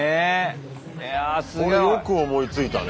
これよく思いついたね。